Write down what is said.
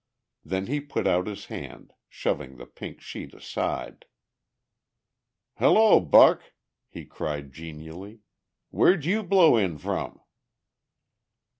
Then he put out his hand, shoving the pink sheet aside. "Hello, Buck," he cried genially. "Where'd you blow in from?"